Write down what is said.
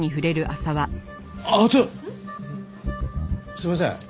すみません。